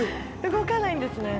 動かないんですね。